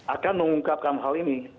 akan mengungkapkan hal ini